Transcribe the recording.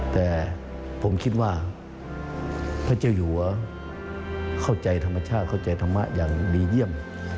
แต่ผมคิดว่าพระเจ้าอยู่หัวเข้าใจธรรมชาติเข้าใจธรรมะอย่างดีเยี่ยม